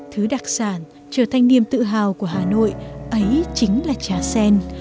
thứ đặc sản trở thành niềm tự hào của hà nội ấy chính là trà sen